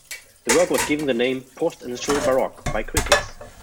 The work was given the name "post Industrial Baroque" by critics.